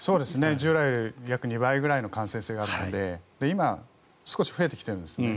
従来より約２倍の感染性があるので今、少し増えてきてるんですね。